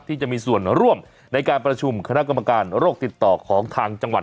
ที่มีส่วนร่วมในการประชุมคณะกรรมการโรคติดต่อของทางจังหวัด